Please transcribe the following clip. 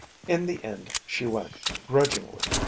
In the end she went, grudgingly.